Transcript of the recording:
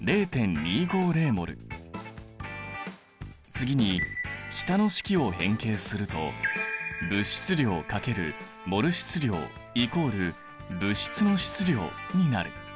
次に下の式を変形すると物質量×モル質量＝物質の質量になる。